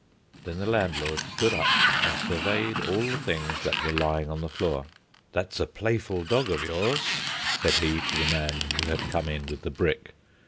Then the landlord stood up, and surveyed all the things that were lying on the floor. "That's a playful dog of yours," said he to the man who had come in with the brick.